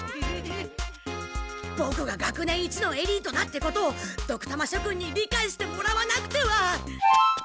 ボクが学年一のエリートだってことをドクたましょくんに理解してもらわなくては！